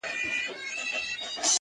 چي قاتل هجوم د خلکو وو لیدلی-